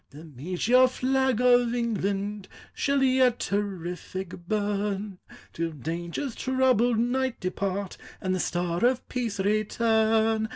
The meteor flag of England Shall yet terrific burn ; Till danger's troubled night depart, And the star of peace return.